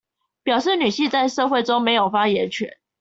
表示女性在社會中沒有發言權